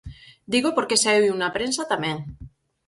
Dígoo porque saíu na prensa tamén.